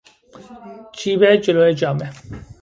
جیب جلو جامه